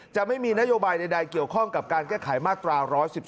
จะมีนโยบายใดเกี่ยวข้องกับการแก้ไขมาตรา๑๑๒